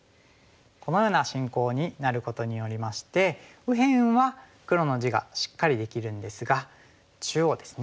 このような進行になることによりまして右辺は黒の地がしっかりできるんですが中央ですね。